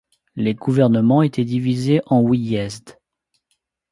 Les gouvernements étaient divisées en ouiezds.